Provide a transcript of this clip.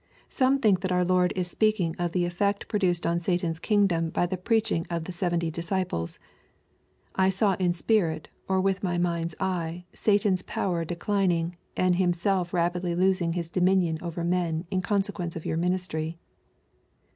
Some think that our Lord is speaking of the effect produced on Satan's kingdom by the preaching of the seventy disciples: — *^I saw in spirit^ or witii my mind's eye, Satan's power declining, and himself rapidly losing his dominion over men in consequence of your ministry."